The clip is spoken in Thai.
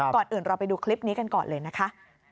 ก่อนอื่นเราไปดูคลิปนี้กันก่อนเลยนะคะ